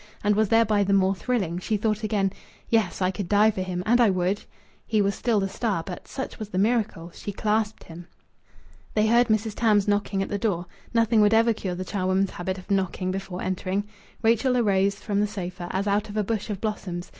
And was thereby the more thrilling! She thought again: "Yes, I could die for him and I would!" He was still the star, but such was the miracle she clasped him. They heard Mrs. Tams knocking at the door. Nothing would ever cure the charwoman's habit of knocking before entering. Rachel arose from the sofa as out of a bush of blossoms.